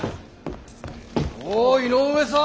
おぉ井上さん！